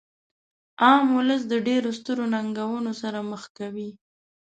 عام ولس د ډیرو سترو ننګونو سره مخ کوي.